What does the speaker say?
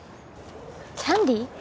キャンディー？